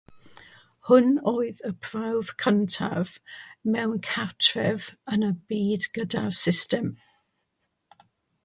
Hwn oedd y prawf cyntaf mewn cartref yn y byd gyda'r system.